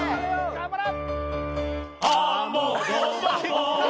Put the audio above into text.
頑張れ！